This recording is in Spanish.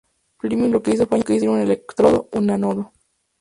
Fleming lo que hizo fue añadir un electrodo, un ánodo.